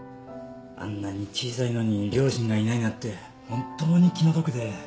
あんなに小さいのに両親がいないなんて本当に気の毒で。